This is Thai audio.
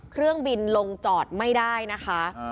เครื่องบินลงจอดไม่ได้นะคะ